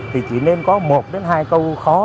thì chỉ nên có một hai câu khó